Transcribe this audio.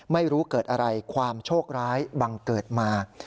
ไม่รู้เกิดอะไรความโชคร้ายบังเกิดมา